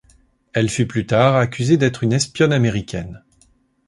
Elle fut plus tard accusée d'être une espionne américaine.